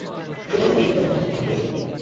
সুচরিতা বিস্মিত হইয়া কহিল, কেন, খেয়েছি বৈকি।